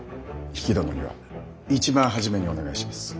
比企殿には一番初めにお願いします。